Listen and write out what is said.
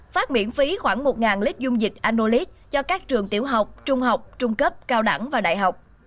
phát miễn phí khoảng một lít dung dịch anolit cho các trường tiểu học trung học trung cấp cao đẳng và đại học